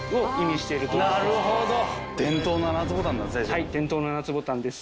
はい伝統の７つボタンです。